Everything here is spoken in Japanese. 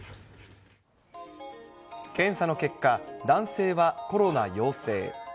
検査の結果、男性はコロナ陽性。